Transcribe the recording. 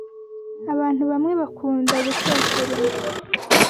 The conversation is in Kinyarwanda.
Abantu bamwe bakunda gutekereza